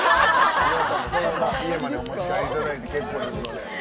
皆さん、家までお持ち帰りいただいて結構ですので。